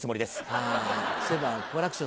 あそういえば好楽師匠